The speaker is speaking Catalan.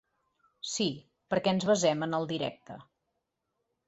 Sí, perquè ens basem en el directe.